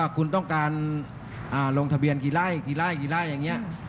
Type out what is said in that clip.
คุณต้องการลงทะเบียนกี่ไร่อย่างนี้